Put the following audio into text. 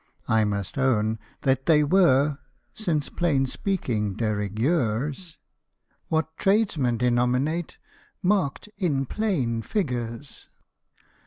I must own that they were (since plain speaking de rigueur 's) What tradesmen denominate " marked in plain figures